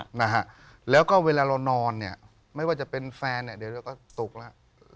นะฮะแล้วก็เวลาเรานอนเนี่ยไม่ว่าจะเป็นแฟนเนี่ยเดี๋ยวเราก็สุขแล้ว